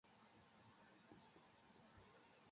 Ederra, baina egiantzekoa al zen?